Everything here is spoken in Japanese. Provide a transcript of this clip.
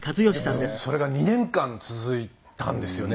でもそれが２年間続いたんですよね。